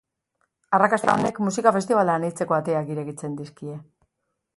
Arrakasta honek musika festibal anitzeko ateak irekitzen dizkie.